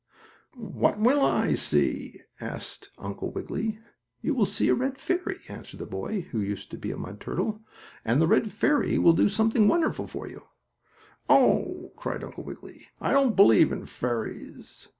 "What will I see?" asked Uncle Wiggily. "You will see a red fairy," answered the boy who used to be mud turtle, "and the red fairy will do something wonderful for you." "Oh!" cried Uncle Wiggily, "I don't believe in fairies!"